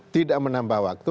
tidak menambah waktu